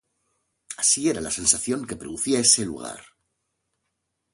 Así era la sensación que producía ese lugar".